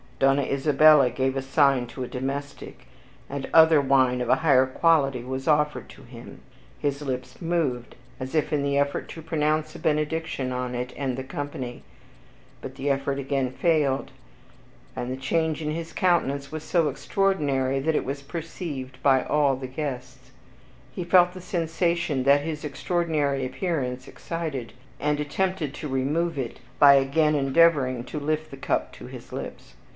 Donna Isabella gave a sign to a domestic, and other wine of a higher quality was offered to him. His lips moved, as if in the effort to pronounce a benediction on it and the company, but the effort again failed; and the change in his countenance was so extraordinary, that it was perceived by all the guests. He felt the sensation that his extraordinary appearance excited, and attempted to remove it by again endeavoring to lift the cup to his lips.